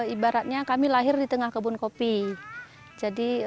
ibaratnya kami lahir di tengah kebun kopi